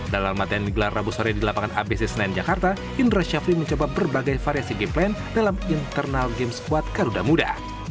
dalam matian gelar rabu sore di lapangan abc senen jakarta indra syafri mencoba berbagai variasi game plan dalam internal game squad karuda muda